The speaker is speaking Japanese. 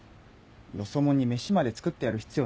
よそもんに飯まで作ってやる必要